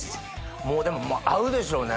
もうでも合うでしょうね